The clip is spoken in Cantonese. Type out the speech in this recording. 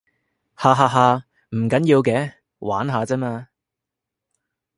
哈哈哈，唔緊要嘅，玩下咋嘛